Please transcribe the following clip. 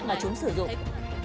mà chúng sử dụng